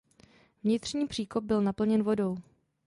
Vnitřní příkop byl naplněn vodou.